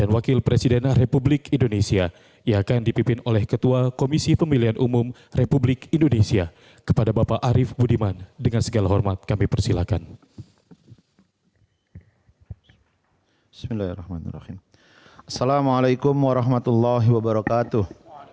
wa rahmatullahi wa barakatuh